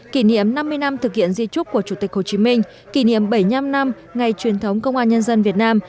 kỷ niệm năm mươi năm thực hiện di trúc của chủ tịch hồ chí minh kỷ niệm bảy mươi năm năm ngày truyền thống công an nhân dân việt nam